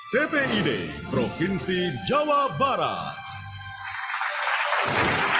tpid provinsi jawa barat